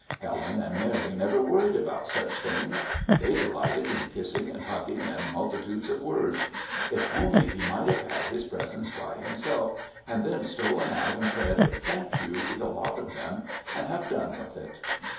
Helen and Mary never worried about such things. They delighted in kissing and hugging and multitudes of words. If only he might have had his presents by himself and then stolen out and said "Thank you" to the lot of them and have done with it.